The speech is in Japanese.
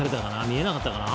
見えなかったかな。